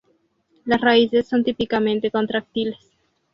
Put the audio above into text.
Las raíces son típicamente contráctiles.